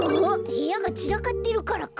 へやがちらかってるからか。